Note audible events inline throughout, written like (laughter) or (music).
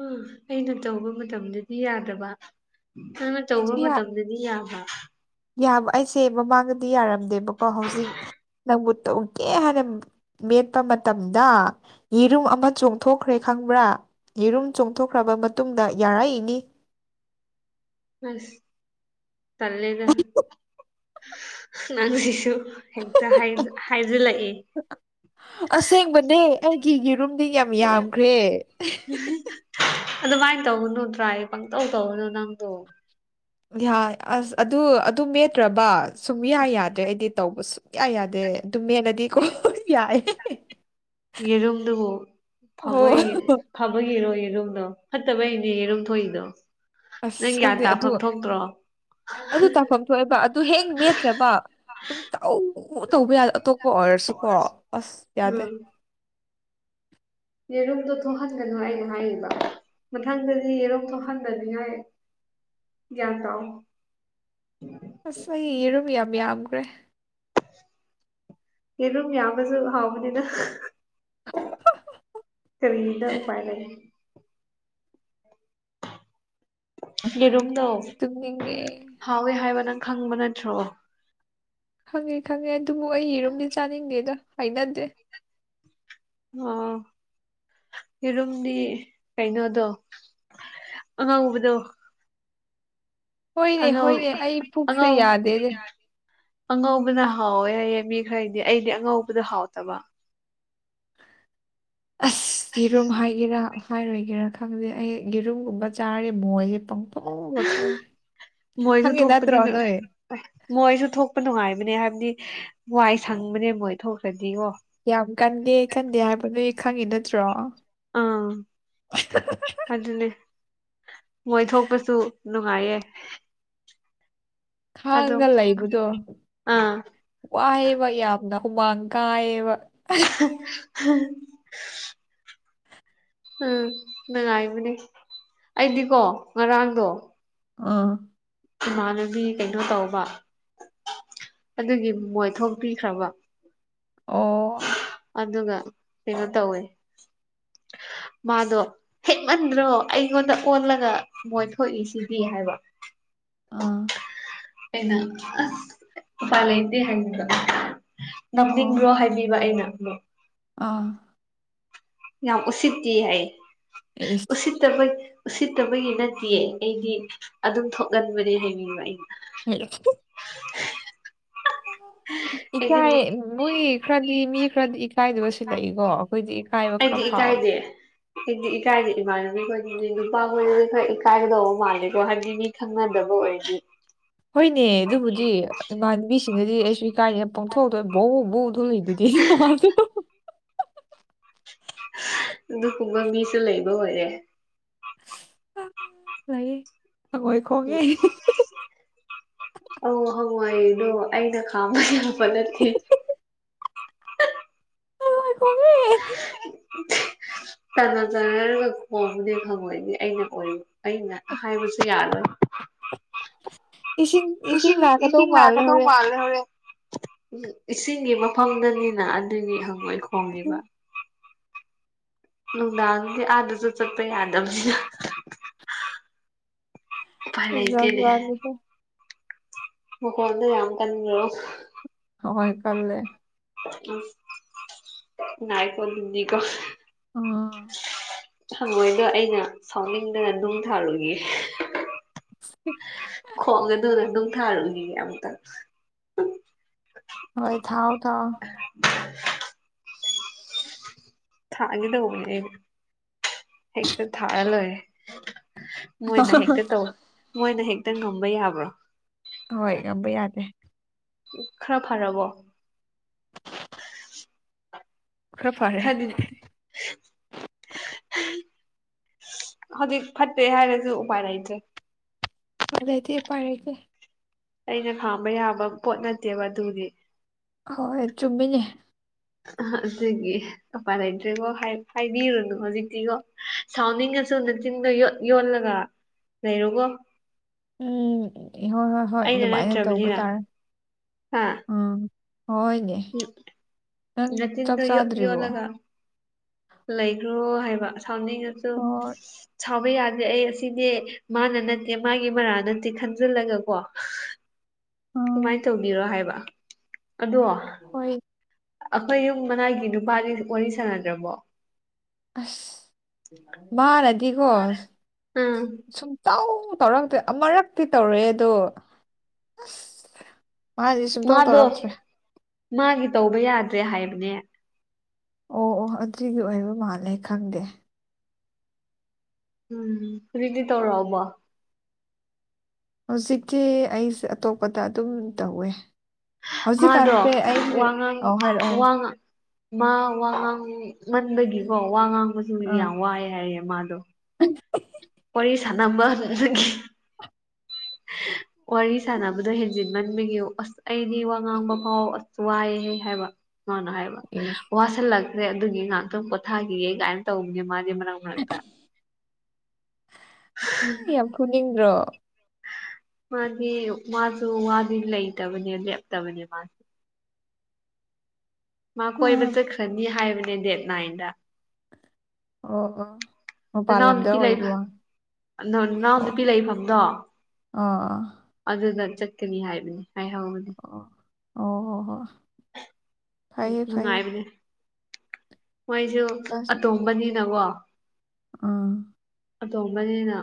ꯎꯝ ꯑꯩꯅ ꯇꯧꯕ ꯃꯇꯝꯗꯗꯤ ꯌꯥꯗꯕ ꯅꯪꯅ ꯑꯗꯨ ꯇꯧꯕ ꯌꯥ ꯃꯇꯝꯗꯗꯤ ꯌꯥꯕ ꯌꯥꯕ ꯑꯩꯁꯦ ꯃꯃꯥꯡꯗꯗꯤ ꯌꯥꯔꯝꯗꯦꯕꯀꯣ ꯍꯧꯖꯤꯛ ꯅꯪꯕꯨꯇꯧ ꯀꯦ ꯍꯥꯏꯅ ꯃꯦꯠꯄ ꯃꯇꯝꯗ ꯌꯦꯔꯨꯝ ꯑꯃ ꯆꯣꯡꯊꯣꯛꯈ꯭ꯔꯦ ꯈꯪꯕ꯭ꯔꯥ ꯌꯦꯔꯨꯝ ꯆꯣꯡꯊꯣꯛꯈ꯭ꯔꯕ ꯃꯇꯨꯡꯗ ꯌꯥꯔꯛꯏꯅꯤ ꯅꯥꯁ ꯇꯜꯂꯦꯗ ꯅꯪꯁꯤꯁꯨ ꯍꯦꯛꯇ ꯍꯥꯏ ꯍꯥꯏꯖꯤꯜꯂꯛꯏ ꯑꯁꯦꯡꯕꯅꯦ ꯑꯩꯒꯤ ꯌꯦꯔꯨꯝꯗꯤ ꯌꯥꯝ ꯌꯥꯝꯈ꯭ꯔꯦ ꯑꯗꯨꯃꯥꯏ ꯇꯧꯒꯅꯨ ꯇ꯭ꯔꯥꯏ ꯄꯪꯇꯧ ꯇꯧꯒꯅꯨ ꯅꯪꯗꯣ ꯌꯥꯏ ꯑꯁ ꯑꯗꯨ ꯑꯗꯨ ꯃꯦꯠꯇ꯭ꯔꯕ ꯁꯨꯡꯌꯥ ꯌꯥꯗ꯭ꯔꯦ ꯑꯩꯗꯤ ꯇꯧꯕꯁꯨ ꯌꯥ ꯌꯥꯗꯦ ꯑꯗꯨꯝ ꯃꯦꯠꯂꯗꯤꯀꯣ ꯌꯥꯏꯌꯦ ꯌꯦꯔꯨꯝꯗꯨꯕꯨ ꯐꯕꯩ ꯐꯥꯕꯒꯤꯔꯣ ꯌꯦꯔꯨꯝꯗꯣ ꯐꯠꯇꯕꯩꯅꯦ ꯌꯦꯔꯨꯝ ꯊꯣꯛꯏꯗꯣ ꯑꯁ ꯅꯪ ꯒ꯭ꯌꯥꯟ ꯈꯪꯗꯦ ꯑꯗꯨ ꯇꯥꯐꯝ ꯊꯣꯛꯇ꯭ꯔꯣ ꯑꯗꯨ ꯇꯥꯐꯝ ꯊꯣꯛꯑꯦꯕ ꯑꯗꯨ ꯍꯦꯛ ꯃꯦꯠꯇ꯭ꯔꯕ ꯁꯨꯡꯇꯧ ꯇꯧꯕ ꯌꯥ ꯑꯇꯣꯞꯄ ꯑꯣꯏꯔꯁꯨꯀꯣ ꯑꯁ ꯌꯥꯗꯦ ꯎꯝ ꯌꯦꯔꯨꯝꯗꯣ ꯊꯣꯛꯍꯟꯒꯅꯨ ꯑꯩꯅꯥ ꯍꯥꯏꯔꯤꯕ ꯃꯊꯪꯗꯗꯤ ꯌꯦꯔꯨꯝ ꯊꯣꯛꯍꯟꯗꯅꯤꯉꯥꯏ ꯒ꯭ꯌꯥꯟ ꯇꯥꯎ ꯑꯁ ꯑꯩ ꯌꯦꯔꯨꯝ ꯌꯥꯝ ꯌꯥꯝꯒ꯭ꯔꯦ ꯌꯦꯔꯨꯝ ꯌꯥꯝꯕꯁꯨ ꯍꯥꯎꯕꯅꯤꯗ ꯀꯔꯤꯗ ꯎꯄꯥꯏ ꯂꯩ ꯌꯦꯔꯨꯝꯗꯣ ꯇꯨꯝꯅꯤꯡꯉꯦ ꯍꯥꯎꯋꯦ ꯍꯥꯏꯕ ꯅꯪ ꯈꯪꯕ ꯅꯠꯇ꯭ꯔꯣ ꯈꯪꯉꯦ ꯈꯪꯉꯦ ꯑꯗꯨꯕꯨ ꯑꯩ ꯌꯦꯔꯨꯝꯗꯤ ꯆꯥꯅꯤꯡꯗꯦꯗ ꯍꯩꯅꯗꯦ ꯑꯣ ꯌꯦꯔꯨꯝꯗꯤ ꯀꯩꯅꯣꯗꯣ ꯑꯉꯧꯕꯗꯣ ꯍꯣꯏꯅꯦ ꯑꯉꯧ ꯍꯣꯏꯅꯦ ꯑꯩ ꯄꯨꯛꯁꯦ ꯑꯉꯧ ꯌꯥꯗꯦꯅꯦ ꯑꯉꯧꯕꯅ ꯍꯥꯎꯋꯦ ꯍꯥꯏꯌꯦ ꯃꯤ ꯈꯔꯒꯤꯗꯤ ꯑꯩꯗꯤ ꯑꯉꯧꯕꯗꯣ ꯍꯥꯎꯇꯕ (unintelligible) ꯑꯁ ꯌꯦꯔꯨꯝ ꯍꯥꯏꯒꯦꯔꯥ ꯍꯥꯏꯔꯣꯏꯒꯦꯔꯥ ꯈꯪꯗꯦ ꯑꯩ ꯌꯦꯔꯨꯝꯒꯨꯝꯕ ꯆꯥꯔꯦ ꯃꯣꯏꯁꯦ ꯄꯪ ꯊꯣꯛ ꯊꯣꯛꯑꯦ ꯃꯣꯏꯁꯨ ꯈꯪꯉꯦ ꯊꯣꯛꯄꯗꯤ ꯅꯠꯇ꯭ꯔꯣ ꯅꯣꯏ ꯃꯣꯏꯁꯨ ꯊꯣꯛꯄ ꯅꯨꯡꯉꯥꯏꯕꯅꯦ ꯍꯥꯏꯕꯗꯤ ꯋꯥꯏ ꯁꯪꯕꯅꯦ ꯃꯣꯏ ꯊꯣꯛꯈ꯭ꯔꯗꯤꯑꯣ ꯌꯥꯝ ꯀꯟꯗꯦ ꯀꯟꯗꯦ ꯍꯥꯏꯕ ꯅꯣꯏ ꯈꯪꯉꯤ ꯅꯠꯇ꯭ꯔꯣ ꯑꯥ ꯑꯗꯨꯅꯦ ꯃꯣꯏ ꯊꯣꯛꯄꯁꯨ ꯅꯨꯡꯉꯥꯏꯌꯦ ꯑꯗꯨꯝ ꯈꯥꯡꯉꯒ ꯂꯩꯕꯗꯣ ꯑꯥ ꯋꯥꯏꯌꯦꯕ ꯌꯥꯝꯅ ꯍꯨꯃꯥꯡ ꯀꯥꯏꯌꯦꯕ (unintelligible) ꯎꯝ ꯅꯨꯡꯉꯥꯏꯕꯅꯦ ꯑꯩꯗꯤꯀꯣ ꯉꯔꯥꯡꯗꯣ ꯑꯥ ꯏꯃꯥꯟꯅꯕꯤ ꯀꯩꯅꯣ ꯇꯧꯕ ꯑꯗꯨꯒꯤ ꯃꯣꯏ ꯊꯣꯛꯄꯤꯈ꯭ꯔꯕ ꯑꯣ ꯑꯗꯨꯒ ꯀꯩꯅꯣ ꯇꯧꯋꯦ ꯃꯥꯗꯣ ꯍꯦꯛꯃꯟꯗ꯭ꯔꯣ ꯑꯩꯉꯣꯟꯗ ꯑꯣꯜꯂꯒ ꯃꯣꯏ ꯊꯣꯛꯏ ꯁꯤꯗꯤ ꯍꯥꯏꯕ ꯑꯥ ꯑꯩꯅ ꯑꯁ ꯎꯄꯥꯏ ꯂꯩꯇꯦ ꯍꯥꯏꯕꯤꯕ ꯅꯝꯅꯤꯡꯕ꯭ꯔꯣ ꯍꯥꯏꯕꯤꯕ ꯑꯩꯅ ꯃꯨꯛ ꯑꯥ ꯌꯥꯝ ꯎꯁꯤꯠꯇꯦ ꯍꯥꯏꯌꯦ ꯎꯁꯤꯠ ꯇꯕ ꯎꯁꯤꯠꯇꯕꯒꯤ ꯅꯠꯇꯤꯌꯦ ꯑꯩꯗꯤ ꯑꯗꯨꯝ ꯊꯣꯛꯒꯟꯕꯅꯦ ꯍꯥꯏꯅꯤꯡꯕ ꯑꯩꯅ (inaudible) ꯑꯩꯗꯤ ꯏꯀꯥꯏꯌꯦ ꯕꯨꯏ ꯈꯔꯗꯤ ꯃꯤ ꯈꯔꯗꯤ ꯏꯀꯥꯏꯗꯕꯁꯨꯂꯩꯀꯣ ꯑꯩꯈꯣꯏꯗꯤ ꯏꯀꯥꯏꯕ ꯈꯔ ꯐꯥꯎꯋꯦ ꯈꯣꯏꯗꯤ ꯏꯀꯥꯏꯗꯦ ꯏꯃꯥꯟꯅꯕꯤ ꯈꯣꯏꯗꯗꯤ ꯅꯨꯄꯥ ꯈꯣꯏꯗꯗꯤ ꯈꯔ ꯏꯀꯥꯏꯒꯗꯧꯕ ꯃꯥꯜꯂꯦꯀꯣ ꯍꯥꯏꯕꯗꯤ ꯈꯪꯅꯗꯕ ꯑꯣꯏꯔꯗꯤ ꯍꯣꯏꯅꯦ ꯑꯗꯨꯕꯨꯗꯤ ꯏꯃꯥꯟꯅꯕꯤꯁꯤꯡꯅꯗꯤ ꯑꯩꯁꯨ ꯏꯀꯥꯏꯗꯦ ꯄꯥꯡꯊꯣꯛ ꯊꯣꯛꯑꯦ ꯕꯣꯛ ꯕꯣꯛ ꯊꯣꯛꯏꯗꯨꯗꯤ (unintelligible) ꯑꯗꯨꯒꯨꯝꯕ ꯃꯤꯁꯨ ꯂꯩꯕ ꯑꯣꯏꯔꯦ ꯑ ꯂꯩꯌꯦ ꯍꯪꯉꯣꯏ ꯈꯣꯡꯉꯦ (inaudible) ꯑꯧ ꯍꯪꯉꯣꯏꯗꯣ ꯑꯩꯅ ꯈꯥꯝꯕ ꯌꯥꯕꯥ ꯅꯠꯇꯦ ꯍꯪꯉꯣꯏ ꯈꯣꯡꯉꯦ ꯇꯅ ꯇꯅꯔꯒ ꯈꯣꯡꯕꯅꯦ ꯐꯪꯉꯣꯏꯗꯤ ꯑꯩꯅ ꯑꯣꯏ ꯑꯩꯅ ꯍꯥꯏꯕꯁꯨ ꯌꯥꯔꯣꯏ ꯏꯁꯤꯡ ꯏꯁꯤꯡ ꯂꯥꯛꯀꯗꯧ ꯏꯁꯤꯡ ꯃꯥꯜꯂꯦ ꯂꯥꯛꯀꯥꯗꯧ ꯍꯣꯔꯦꯟ ꯃꯥꯜꯂꯦ ꯍꯣꯔꯦꯟ ꯏꯁꯤꯡꯒꯤ ꯃꯐꯝꯗꯅꯤꯅ ꯑꯗꯨꯒꯤ ꯍꯪꯉꯣꯏ ꯈꯣꯡꯔꯤꯕ ꯅꯨꯡꯗꯥꯡꯗꯤ ꯑꯥꯗꯁꯨ ꯆꯠꯄ ꯌꯥꯗꯝꯁꯤꯅ ꯎꯄꯥꯏ ꯖꯥꯠ ꯂꯩꯇꯦꯅꯦ ꯖꯥꯠꯅꯤꯀꯣ ꯃꯥꯈꯣꯟꯗꯣ ꯌꯥꯝ ꯀꯟꯕ꯭ꯔꯣ ꯍꯣꯏ ꯀꯜꯂꯦ ꯎꯝ ꯅꯏꯈꯣ ꯑꯗꯨꯗꯤꯀꯣ ꯎꯝ ꯊꯡꯉꯣꯏꯗꯣ ꯑꯩꯅ ꯁꯥꯎꯅꯤꯡꯗꯅ ꯅꯨꯡ ꯊꯥꯔꯨꯒꯤꯒꯦ (inaudible) ꯈꯣꯡꯒꯅꯨꯅ ꯅꯨꯡ ꯊꯔꯨꯒꯤꯒꯦ ꯑꯝꯇ ꯍꯣꯏ ꯊꯥꯎ ꯊꯥꯎꯑꯣ (inaudible) ꯊꯥꯒꯦꯗꯧꯕꯅꯦ ꯍꯦꯛꯇ ꯊꯥꯔ ꯂꯣꯏꯔꯦ ꯃꯣꯏꯅ ꯍꯦꯛꯇ ꯇꯧ ꯃꯣꯏꯅ ꯍꯦꯛꯇ ꯉꯝꯕ ꯌꯥꯕ꯭ꯔꯣ ꯍꯣꯏ ꯉꯝꯕ ꯌꯥꯗꯦ ꯈꯔ ꯐꯔꯕꯣ ꯈꯔ ꯐꯔꯦ ꯈꯗꯤ (inaudible) ꯍꯧꯖꯤꯛ ꯐꯠꯇꯦ ꯍꯥꯏꯔꯁꯨ ꯎꯄꯥꯏ ꯂꯩꯇ꯭ꯔꯦ ꯎꯄꯥꯏ ꯂꯩꯇꯦ ꯄꯥꯏꯔꯛꯀꯦ ꯑꯩꯅ ꯈꯥꯝꯕ ꯌꯥꯕ ꯄꯣꯠ ꯅꯠꯇꯦꯕ ꯑꯗꯨꯒꯤ ꯍꯣꯏ ꯆꯨꯝꯃꯤꯅꯦ ꯑꯗꯨꯒꯤ ꯎꯄꯥꯏ ꯂꯩꯇ꯭ꯔꯦꯀꯣ ꯍꯥꯏ ꯍꯥꯏꯕꯤꯔꯨꯅꯨ ꯍꯧꯖꯤꯛꯇꯤꯀꯣ ꯁꯥꯎꯅꯤꯡꯉꯁꯨ ꯅꯆꯤꯟꯗꯣ ꯌꯣꯠ ꯌꯣꯠꯂꯒ ꯂꯩꯔꯣꯀꯣ ꯎꯝ ꯍꯣꯏ ꯍꯣꯏ ꯍꯣꯏ ꯑꯩꯅ ꯑꯗꯨꯃꯥꯏꯅ ꯇꯧꯕ ꯅꯠꯇ꯭ꯔꯕꯅꯤꯅ ꯇꯥꯔꯦ ꯍꯥ ꯎꯝ ꯍꯣꯏꯅꯦ ꯅꯪ ꯆꯛ ꯅꯆꯤꯟꯗꯣ ꯌꯣꯠ ꯆꯥꯗ꯭ꯔꯤꯕꯣ ꯌꯣꯠꯂꯒ ꯂꯩꯈ꯭ꯔꯣ ꯍꯥꯏꯕ ꯁꯥꯎꯅꯤꯡꯉꯁꯨ ꯍꯣꯏ ꯁꯥꯎꯕ ꯌꯥꯗꯦ ꯑꯩ ꯑꯁꯤꯗꯤ ꯃꯥꯅ ꯅꯠꯇꯦ ꯃꯥꯒꯤ ꯃꯔꯥꯟ ꯅꯠꯇꯦ ꯈꯟꯖꯤꯜꯂꯒ ꯀꯣ ꯎꯝ ꯗꯨꯃꯥꯏꯟ ꯇꯧꯕꯤꯔꯣ ꯍꯥꯏꯕ ꯑꯗꯣ ꯍꯣꯏ ꯑꯈꯣꯏ ꯌꯨꯝ ꯃꯅꯥꯛꯒꯤ ꯅꯨꯄꯥꯗꯤ ꯋꯥꯔꯤ ꯁꯥꯟꯅꯗ꯭ꯔꯕꯣ ꯑꯁ ꯃꯥꯅꯗꯤꯀꯣ ꯎꯝ ꯁꯨꯛ ꯇꯧ ꯇꯧꯔꯛꯇꯦ ꯑꯃꯔꯛꯇꯤ ꯇꯧꯔ‌ꯦ ꯗꯣ ꯑꯁ ꯃꯥꯗꯤ ꯁꯨꯡꯇꯧ ꯃꯥꯗꯣ ꯇꯧꯔꯛꯇ꯭ꯔꯦ ꯃꯥꯒꯤ ꯇꯧꯕ ꯌꯥꯗ꯭ꯔꯦ ꯍꯥꯏꯕꯅꯦ ꯑꯣ ꯑꯣ ꯑꯗꯨꯒꯤ ꯑꯣꯏꯕ ꯃꯥꯜꯂꯦ ꯈꯪꯗꯦ ꯎꯝ ꯍꯧꯖꯤꯛꯇꯤ ꯇꯧꯔꯑꯥꯕꯣ ꯍꯧꯖꯤꯛꯇꯤ ꯑꯩꯁꯦ ꯑꯇꯣꯞꯄꯗ ꯑꯗꯨꯝ ꯇꯧꯋꯦ ꯃꯥꯗꯣ ꯍꯧꯖꯤꯛꯀꯥꯟꯁꯦ ꯑꯩꯁꯦ ꯋꯥ ꯉꯥꯡ ꯑꯧ ꯍꯥꯏꯔꯛꯑꯣ ꯍꯥꯏꯔꯛꯑꯣ ꯋꯥꯉꯥ ꯃꯥ ꯋꯥ ꯉꯥꯡꯃꯟꯕꯒꯤꯀꯣ ꯋꯥ ꯉꯥꯡꯕꯁꯨ ꯑꯥ ꯌꯥꯝ ꯋꯥꯏ ꯍꯥꯏꯌꯦ ꯃꯥꯗꯣ ꯋꯥꯔꯤ ꯁꯥꯟꯅꯕ ꯗꯨꯒꯤ ꯋꯥꯔꯤ ꯁꯥꯟꯅꯕꯗꯣ ꯍꯦꯟꯖꯤꯟꯃꯟꯕꯤꯒꯤ ‌ ꯑꯁ ꯑꯩꯗꯤ ꯋꯥ ꯉꯥꯡꯕ ꯐꯥꯎ ꯑꯥ ꯋꯥꯏꯍ‌ꯦ ꯍꯥꯏꯕ ꯃꯅꯥ ꯍꯥꯏꯕ ꯏꯁ ꯋꯥꯁꯤꯜꯂꯛ (unintelligible) ꯑꯗꯨꯒꯤ ꯉꯥꯛꯇꯪ ꯄꯣꯊꯥꯈꯤꯒꯦ ꯀꯥꯏꯟ ꯇꯧꯕꯅꯦ ꯃꯥꯗꯤ ꯃꯔꯛ ꯃꯔꯛꯇ ꯑ ꯌꯥꯝ ꯐꯨꯅꯤꯡꯗ꯭ꯔꯣ ꯃꯥꯗꯤ ꯃꯥꯁꯨ ꯋꯥꯗꯤ ꯂꯩꯇꯕꯅꯦ ꯂꯦꯞꯇꯕꯅꯦ ꯃꯥꯁ ꯃꯥ ꯀꯣꯏꯕ ꯑꯥ ꯆꯠꯈ꯭ꯔꯅꯤ ꯍꯥꯏꯕꯅꯦ ꯗꯦꯠ ꯅꯥꯏꯟꯗ ꯑꯣꯑꯣ ꯃꯄꯥꯜꯂꯝꯕꯗꯔ ꯑꯣꯏ (unintelligible) ꯑꯗꯣ ꯅꯅꯥꯎ ꯅꯨꯄꯤ ꯂꯩꯐꯝꯗꯣ ꯑꯥ ꯑꯥ ꯑꯗꯨꯗ ꯆꯠꯀꯅꯤ ꯍꯥꯏꯕꯅꯤ ꯍꯥꯏꯍꯧꯕꯅꯤ ꯑꯣ ꯑꯣ ꯍ‌ꯣ ꯍꯣ ꯐꯩꯌꯦ (unintelligible) ꯐꯩꯌꯦ ꯅꯨꯡꯉꯥꯏꯕꯅꯦ ꯃꯣꯏꯁꯨ ꯑꯇꯣꯝꯕꯅꯤꯅꯀꯣ ꯑꯥ ꯑꯇꯣꯝꯕꯅꯤꯅ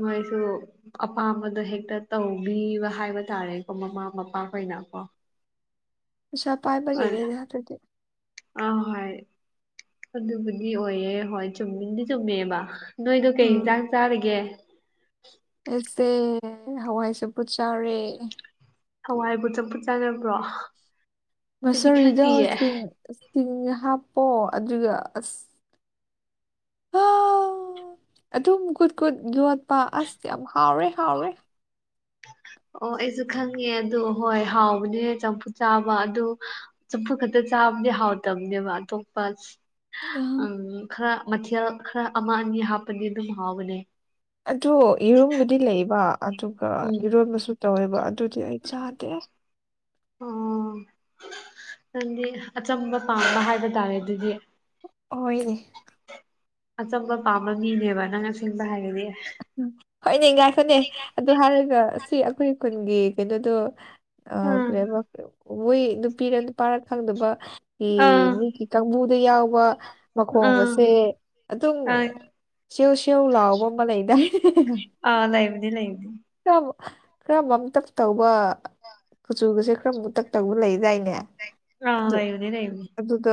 ꯃꯣꯏꯁꯨ ꯑꯄꯥꯝꯕꯗꯣ ꯍꯦꯛꯇ ꯇꯧꯕꯤꯕ ꯍꯥꯏꯕ ꯇꯥꯔꯦꯀꯣ ꯃꯃꯥ ꯃꯄꯥꯈ‌ꯣꯏꯅꯀꯣ ꯄꯩꯁꯥ ꯄꯥꯏꯕꯒꯤꯅꯤꯗ ꯑꯗꯨꯗꯤ ꯑ ꯍꯣꯏ ꯑꯗꯨꯕꯨꯗꯤ ꯑꯣꯏꯌꯦ ꯍꯣꯏ ꯆꯨꯝꯃꯤꯟꯗꯤ ꯆꯨꯝꯃꯦꯕ ꯅꯣꯏꯗꯣ ꯀꯩ ꯏꯟꯖꯥꯡ ꯆꯥꯔꯒꯦ ꯑꯦꯁꯦ ꯍꯋꯥꯏ ꯆꯝꯄꯨꯠ ꯆꯥꯔꯦ ꯍꯋꯥꯏꯕꯨ ꯆꯝꯐꯨꯠ ꯆꯥꯅꯕ꯭ꯔꯣ ꯑꯩꯗꯤ ꯃꯨꯁ‌ꯣꯔꯤꯗꯣ ꯈꯪꯉꯤꯌꯦ ꯆꯤꯡ ꯆꯤꯡ ꯍꯥꯞꯄꯣ ꯑꯗꯨꯒ ꯑꯁ (unintelligible) ꯑꯗꯨꯝ ꯒꯨꯠ ꯒꯨꯠ ꯌꯣꯠꯄ ꯑꯁ ꯌꯥꯝ ꯍꯥꯎꯔꯦ ꯍꯥꯎꯔꯦ ꯑꯣ ꯑꯩꯖꯨ ꯈꯪꯉꯦ ꯑꯗꯨ ꯍꯣꯏ ꯍꯥꯎꯕꯅꯤꯅꯦ ꯆꯝꯐꯨꯠ ꯆꯥꯕ ꯑꯗꯨ ꯆꯝꯐꯨꯠ ꯈꯛꯇ ꯆꯥꯕꯗꯤ ꯍꯥꯎꯇꯕꯅꯦꯕ ꯑꯇꯣꯞꯄ ꯑꯪ ꯈꯔ ꯃꯊꯦꯜ ꯈꯔ ꯑꯃ ꯑꯅꯤ ꯍꯥꯞꯄꯗꯤ ꯗꯨꯝ ꯍꯥꯎꯕꯅꯦ ꯑꯗꯨ ꯌ‌ꯦꯔꯨꯝꯕꯨꯗꯤ ꯂꯩꯕ ꯑꯗꯨꯒ ꯎꯝ ꯏꯔꯣꯟꯕꯁꯨ ꯇꯧꯋꯦꯕ ꯑꯗꯨꯗꯤ ꯑꯩ ꯆꯥꯗꯦ ꯑꯣ ꯅꯪꯗꯤ ꯑꯆꯝꯕ ꯄꯥꯝꯕ ꯍꯥꯏꯕ ꯇꯥꯔꯦ ꯑꯗꯨꯗꯤ ꯍ‌ꯣꯏ (unintelligible) ꯑꯆꯝꯕ ꯄꯥꯝꯕ ꯃꯤꯅꯦꯕ ꯅꯪꯅ ꯁꯤꯟꯕ ꯍꯩꯔꯗꯤ ꯍꯣꯏ (unintelligible) ꯉꯥꯛꯇꯅꯦ ꯑꯗꯨ ꯍꯥꯏꯔꯒ ꯑꯁꯤ ꯑꯈꯣꯏ ꯈꯨꯟꯒꯤ ꯀꯩꯅꯣꯗꯣ ꯑ ꯎꯝ ꯀꯔꯤ ꯑꯕ (unintelligible) ꯅꯨꯄꯤꯔ ꯅꯨꯄꯥꯔ ꯈꯪꯗꯕ ꯑꯥ (unintelligible) ꯃꯣꯏꯒꯤ ꯀꯥꯡꯕꯨꯗ ꯌꯥꯎꯕ ꯑꯥ ꯃꯈꯣꯡꯒꯁꯦ ꯑꯗꯨꯝ ꯑꯥ ꯁꯤꯌꯧ ꯁꯤꯌꯧ ꯂꯥꯎꯕ ꯑꯃ ꯂꯩ ꯑꯥ ꯂꯩꯕꯅꯤ ꯂꯩꯕꯅꯤ ꯈꯔ ꯈꯔ ꯃꯝꯇꯛ ꯇꯧꯕ ꯀꯨꯆꯨꯒꯁꯦ ꯈꯔ ꯃꯨꯇꯛ ꯇꯧꯕ ꯂꯩꯗꯥꯏꯅꯦ ꯑꯥ ꯂꯩꯕꯅꯦ ꯂꯩꯕꯅꯦ ꯑꯗꯨꯗ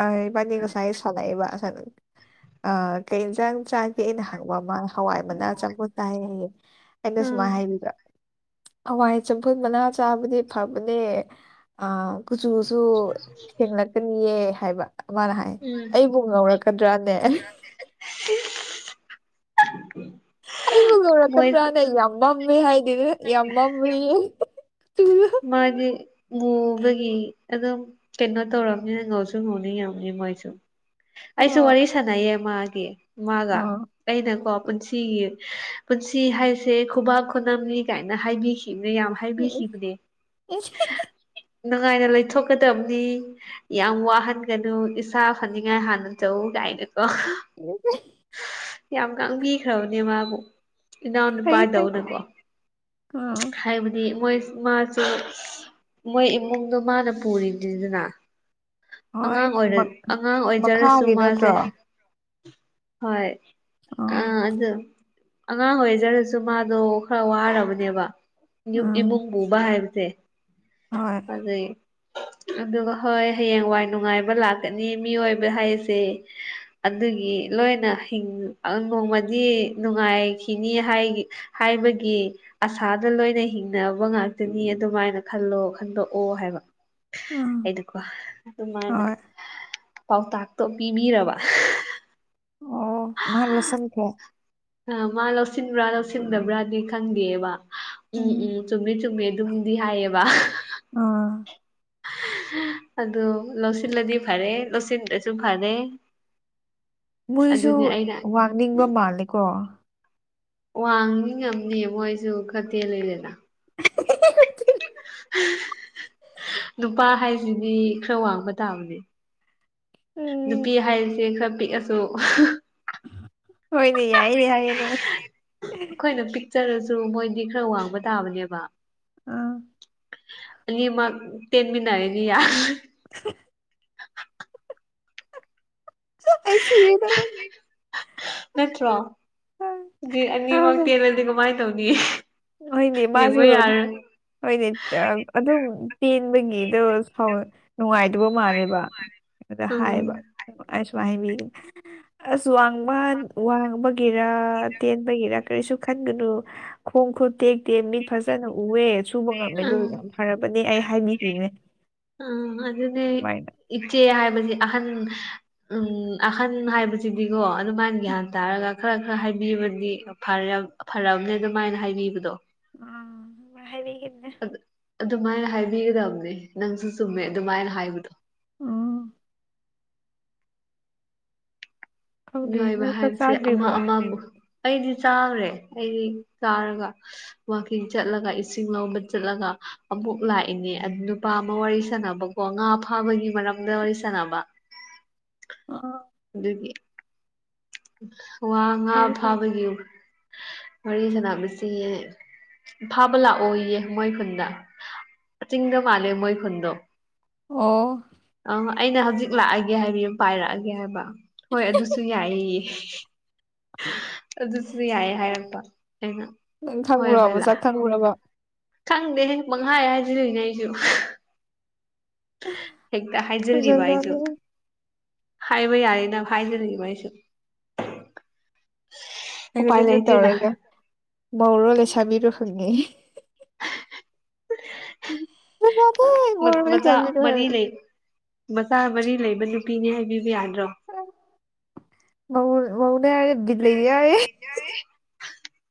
ꯑꯥ ꯏꯕꯥꯅꯤ ꯉꯁꯥꯏ ꯁꯟꯅꯩꯑꯕ (unintelligible) ꯑꯥ ꯀꯩ ꯏꯟꯖꯥꯡ ꯆꯥꯒꯦ ꯑꯩꯅ ꯍꯪꯕ ꯃꯥꯅ ꯍꯋꯥꯏ ꯃꯅꯥ ꯆꯝꯐꯨꯠ ꯆꯥꯏꯌꯦ ꯍꯥꯏꯌꯦ ꯑꯩꯅ ꯎꯝ ꯁꯨꯃꯥꯏ ꯍꯥꯏꯕꯤꯕ ꯍꯋꯥꯏ ꯆꯝꯐꯨꯠ ꯃꯅꯥ ꯆꯥꯕꯗꯤ ꯐꯕꯅꯦ ꯑꯥ ꯀꯨꯆꯨꯁꯨ ꯁꯦꯡꯂꯛꯀꯅꯤꯌꯦ ꯍꯥꯏꯕ ꯃꯥꯅ ꯍꯥꯏ ꯎꯝ ꯑꯩꯕꯨ ꯉꯧꯔꯛꯀꯗ꯭ꯔꯥꯅꯦ (unintelligible) ꯑꯩꯕꯨ ꯃꯣꯏ ꯉꯧꯔꯀꯗ꯭ꯔꯥꯅ ꯌꯥꯝ ꯃꯝꯃꯦ ꯍꯥꯏꯗꯤꯅ ꯌꯥꯝ ꯃꯝꯃꯦ ꯀꯨꯆꯨꯗꯣ ꯃꯥꯗꯤ ꯃꯨꯕꯒꯤ ꯑꯗꯨꯝ ꯀꯩꯅꯣ ꯇꯧꯔꯝꯅꯤꯅ ꯉꯧꯁꯨ ꯉꯧꯅꯤꯡꯉꯝꯅꯤ ꯃꯣꯏꯁꯨ ꯑꯩꯁꯨ ꯑꯣ ꯋꯥꯔꯤ ꯁꯥꯟꯅꯩꯌꯦ ꯃꯥꯒꯤ ꯃꯥꯒ ꯑꯥ ꯑꯩꯅꯀꯣ ꯄꯨꯟꯁꯤꯒꯤ ꯄꯨꯟꯁꯤ ꯍꯥꯏꯁꯦ ꯈꯨꯕꯥꯛ ꯈꯨꯅꯝꯅꯤ ꯀꯥꯏꯅ ꯍꯥꯏꯕꯤꯈꯤꯝꯅꯤ ꯌꯥꯝ ꯎꯝ ꯍꯥꯏꯕꯤꯈꯤꯕꯅꯦ ꯅꯨꯡꯉꯥꯏꯅ ꯂꯩꯊꯣꯛꯀꯗꯝꯅꯤ ꯌꯥꯝ ꯋꯥꯍꯟꯒꯅꯨ ꯏꯁꯥ ꯐꯅꯤꯡꯉꯥꯏ ꯍꯥꯟꯅ ꯇꯧ ꯀꯥꯏꯅꯀꯣ (unintelligible) ꯌꯥꯝ ꯉꯥꯡꯕꯤꯈ꯭ꯔꯕꯅꯦ ꯃꯥꯕꯨ ꯐꯩ ꯐꯩ ꯏꯅꯥꯎꯅꯨꯄꯥꯗꯧꯅꯀꯣ ꯎꯝ ꯍꯥꯏꯕꯗꯤ ꯃꯣꯏꯁ ꯃꯥ ꯃꯣꯏ ꯏꯃꯨꯡꯗꯨ ꯃꯥꯅ ꯄꯨꯔꯤꯝꯅꯤꯗꯅ ꯍꯣꯏ ꯑꯉꯥꯡ ꯑꯣꯏꯔ ꯃꯛ ꯑꯉꯥꯡ ꯑꯣꯏꯖꯔꯁꯨ ꯃꯈꯥꯒꯤ ꯃꯥꯁꯦ ꯅꯠꯇ꯭ꯔꯣ ꯍꯣꯏ ꯑ ꯑꯥ ꯑꯗꯨ ꯑꯉꯥꯡ ꯑꯣꯏꯖꯔꯁꯨ ꯃꯥꯗꯣ ꯈꯔ ꯋꯥꯔꯕꯅꯦꯕ ꯎꯝ ꯏꯃꯨꯡ ꯄꯨꯕ ꯍꯥꯏꯕꯖꯦ ꯍꯣꯏ ꯑꯗꯨꯏ ꯑꯗꯨꯒ ꯍꯣꯏ ꯍꯌꯦꯡꯋꯥꯏ ꯅꯨꯡꯉꯥꯏꯕ ꯂꯥꯛꯀꯅꯤ ꯃꯤꯑꯣꯏꯕ ꯍꯥꯏꯁꯦ ꯑꯗꯨꯒꯤ ꯂꯣꯏꯅ ꯍꯤꯡ ꯅꯣꯡꯃꯗꯤ ꯅꯨꯡꯉꯥꯏꯈꯤꯅꯤ ꯍꯥꯏꯒꯤ ꯍꯥꯏꯕꯒꯤ ꯑꯁꯥꯗ ꯂꯣꯏꯅ ꯍꯤꯡꯅꯕ ꯉꯥꯛꯇꯅꯤ ꯑꯗꯨꯃꯥꯏꯅ ꯈꯜꯂꯣ ꯈꯟꯗꯣꯛꯑꯣ ꯍꯥꯏꯕ ꯎꯝ ꯑꯩꯅꯀꯣ ꯑꯗꯨꯃꯥꯏꯅ ꯍꯣꯏ ꯄꯥꯎꯇꯥꯛꯇꯣ ꯄꯤꯕꯤꯔꯕ ꯑꯣ ꯃꯥꯥꯂꯣꯁꯟ ꯈ꯭ꯔꯦ ꯑꯥ ꯃꯥ ꯂꯧꯁꯤꯟꯕ꯭ꯔꯥ ꯂꯧꯁꯤꯟꯗꯕ꯭ꯔꯥꯗꯤ ꯈꯪꯗꯦꯕ ꯎꯝ ꯎꯝ ꯆꯨꯝꯃꯦ ꯆꯨꯝꯃꯦ ꯑꯗꯨꯝꯗꯤ ꯍꯥꯏꯌꯦꯕ ꯑꯥ ꯑꯗꯨ ꯂꯧꯁꯤꯜꯂꯗꯤ ꯐꯔꯦ ꯂꯧꯁꯤꯟ ꯗ꯭ꯔꯁꯨ ꯐꯔꯦ ꯃꯣꯏꯁꯨ ꯑꯗꯨꯅꯤ ꯑꯩꯅ ꯋꯥꯡꯅꯤꯡꯕ ꯃꯥꯜꯂꯦꯀꯣ ꯋꯥꯡꯅꯤꯡꯉꯝꯅꯦ ꯃꯣꯏꯁꯨ ꯈꯠꯇꯦꯜꯂꯤ ꯂꯦꯅ (unintelligible) ꯅꯨꯄꯥ ꯍꯥꯏꯁꯤꯗꯤ ꯈꯔ ꯋꯥꯡꯕ ꯇꯥꯕꯅꯦ ꯎꯝ ꯅꯨꯄꯤ ꯍꯥꯏꯔꯤꯁꯦ ꯈꯔ ꯄꯤꯛꯑꯁꯨ ꯍꯣꯏꯅꯦ ꯌꯥꯏꯅꯦ ꯌꯥꯏꯌꯨꯅꯦ ꯑꯩꯈꯣꯏꯅ ꯄꯤꯛꯆꯔꯁꯨ ꯃꯣꯏꯗꯤ ꯈꯔ ꯋꯥꯡꯕ ꯇꯥꯕꯅꯦꯕ ꯑꯥ ꯑꯅꯤꯃꯛ ꯇꯦꯟꯃꯤꯟꯅꯥꯔꯅꯤ ꯌꯥ ꯑꯩ ꯁꯤꯔꯦꯗꯥ ꯅꯪ ꯅꯠꯇ꯭ꯔꯣ ꯍꯥꯏꯗꯤ ꯑꯅꯤꯃꯛ ꯇꯦꯜꯅꯗꯤ ꯀꯃꯥꯏꯅ ꯇꯧꯅꯤ ꯍꯣꯏꯅꯤ ꯃꯥꯁꯨ ꯌꯦꯡꯕ ꯌꯥꯔꯣꯏ ꯍꯣꯏꯅꯦ ꯑꯗꯨꯝ ꯄꯦꯟꯕꯒꯤꯗꯣ ꯁꯥꯎ ꯅꯨꯡꯉꯥꯏꯗꯕ ꯃꯥꯜꯂꯦꯕ ꯑꯗꯥ ꯎꯝ ꯍꯥꯏꯕ ꯑꯩꯅꯥ ꯁꯨꯃꯥꯏꯟ ꯍꯥꯏꯕꯤ ꯑꯁ ꯋꯥꯡꯃꯟ ꯋꯥꯡꯕ ꯒꯤꯔ ꯇꯦꯟꯕꯒꯤꯔ ꯀꯔꯤꯁꯨ ꯈꯟꯒꯅꯨ ꯈꯣꯡ ꯈꯨꯠ ꯇꯦꯛ ꯇꯦ ꯃꯤꯠ ꯐꯖꯅ ꯎꯋꯦ ꯁꯨꯕ ꯉꯝꯃꯦꯗꯨ ꯎꯝ ꯌꯥꯝ ꯐꯔꯕꯅꯦ ꯑꯩ ꯍꯥꯏꯕꯤꯈꯤꯅꯦ ꯎꯝ ꯑꯗꯨꯗꯤ ꯏꯆꯦ ꯍꯥꯏꯕꯁꯤ ꯑꯍꯟ ꯎꯝ ꯑꯍꯟ ꯍꯥꯏꯕꯁꯤꯗꯤꯀꯣ ꯑꯗꯨꯃꯥꯏꯅ ꯒ꯭ꯌꯥꯟ ꯇꯥꯔꯒ ꯈꯔ ꯈꯔ ꯍꯥꯏꯕꯤꯕꯗꯤ ꯐꯥꯔꯝ ꯐꯥꯔꯑꯕꯅꯦ ꯑꯗꯨꯃꯥꯏꯅ ꯍꯥꯏꯕꯤꯕꯗꯣ ꯑꯡ ꯑꯗꯨꯃꯥꯏꯟ ꯍꯥꯏꯕꯤꯒꯤꯝꯅꯦ ꯑꯗꯨ ꯑꯗꯨꯃꯥꯏꯅ ꯍꯥꯏꯕꯤꯒꯗꯕꯅꯦ ꯅꯪꯁꯨ ꯆꯨꯝꯃꯦ ꯑꯗꯨꯃꯥꯏꯅ ꯍꯥꯏꯕꯗꯣ ꯎꯝ ꯈꯪꯗ꯭ꯔꯦ ꯃꯤꯑꯣꯏꯕ ꯅꯪ ꯆꯥꯛ ꯍꯥꯏꯕꯁꯦ ꯑꯃ ꯆꯥꯗ꯭ꯔꯤꯕꯣ ꯑꯃꯃꯨꯛ ꯑꯩꯗꯤ ꯆꯥꯈ꯭ꯔꯦ ꯑꯩꯗꯤ ꯆꯥꯔꯒ ꯋꯥꯛꯀꯤꯡ ꯆꯠꯂꯒ ꯏꯁꯤꯡ ꯂꯧꯕ ꯆꯠꯂꯒ ꯑꯃꯨꯛ ꯂꯥꯛꯏꯅꯦ ꯑꯗꯨ ꯅꯨꯄꯥ ꯑꯃ ꯋꯥꯔꯤ ꯁꯥꯟꯅꯕ ꯀꯣ ꯉꯥ ꯐꯥꯕꯒꯤ ꯃꯔꯝꯗ ꯋꯥꯔꯤ ꯁꯥꯟꯅꯕ ꯑꯥ ꯑꯗꯨꯒꯤ ꯋꯥ ꯉꯥ ꯐꯩ ꯐꯩ ꯐꯥꯕꯒꯤ ꯋꯥꯔꯤ ꯁꯥꯟꯅꯕꯁꯤ ꯐꯥꯕꯥ ꯂꯥꯛꯑꯣꯌꯦ ꯃꯣꯏ ꯈꯨꯟꯗ ꯆꯤꯡꯗ ꯃꯥꯜꯂꯦ ꯃꯣꯏ ꯈꯨꯟꯗꯣ ꯑꯣ ꯑꯩꯅ ꯍꯧꯖꯤꯛ ꯂꯥꯛꯑꯒꯦ ꯍꯥꯏꯕꯤꯌꯨ ꯄꯥꯏꯔꯛꯑꯒꯦ ꯍꯥꯏꯕ ꯍꯣꯏ ꯑꯗꯨꯁꯨ ꯌꯥꯏꯌꯦ ꯑꯗꯨꯁꯨ ꯌꯥꯏ ꯍꯥꯏꯔꯛꯄ ꯑꯩꯅ ꯅꯪ ꯍꯣꯏ ꯈꯪꯕ꯭ꯔꯣ ꯍꯣꯏ ꯂꯥꯛ ꯃꯁꯛ ꯈꯪꯕ꯭ꯔꯥꯕꯥ ꯈꯪꯗꯦꯍꯦ ꯄꯪꯍꯥꯏ ꯍꯥꯏꯖꯤꯟꯂꯤꯅꯦ ꯑꯩꯁꯨ ꯍꯦꯛꯇ ꯍꯥꯏꯖꯤꯜꯂꯤꯕ ꯑꯩꯁꯨ ꯐꯖꯖꯥꯠꯅꯤ ꯍꯥꯏꯕ ꯌꯥꯏꯌꯦꯅ ꯍꯥꯏꯖꯤꯜꯂꯤꯕꯥ ꯑꯩꯁꯨ ꯎꯄꯥꯏ ꯍꯥꯏꯕꯗꯁꯨ ꯂꯩꯇꯦꯅ ꯇꯧꯔꯒ ꯃꯧꯔꯣ ꯂꯩꯁꯥꯕꯤꯔꯣ ꯍꯪꯉꯤ ꯐꯖꯗꯦ ꯃꯧꯔꯣ ꯃꯆꯥ ꯂꯩꯁꯥꯕꯤꯔꯣ ꯃꯔꯤ ꯍꯥꯏꯔꯦ ꯂꯩ ꯃꯆꯥ ꯃꯔꯤ ꯂꯩꯕ ꯅꯨꯄꯤꯅꯦ ꯍꯥꯏꯕꯤꯕ ꯌꯥꯗ꯭ꯔꯣ ꯃꯧ ꯃꯧꯅꯦ ꯍꯥꯏꯔꯗꯤ ꯕꯤꯠ ꯂꯩꯇꯦ ꯍꯥꯏꯌꯦ